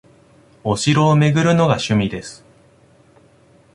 お城を巡るのが趣味です